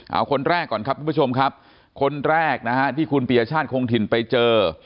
เอาคนแรกก่อนครับทุกผู้ชมครับคนแรกนะฮะที่คุณปียชาติคงถิ่นไปเจอ